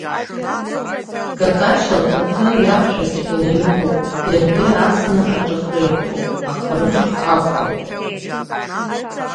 Какашьа лҭаҭын иақәшәацәгьаны иҟоуп, даргьы асны аҿыхра иаҿуп, аха рымч ақәхом.